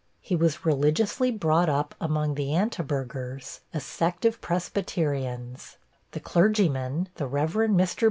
He was religiously brought up, among the Anti Burghers, a sect of Presbyterians; the clergyman, the Rev. Mr.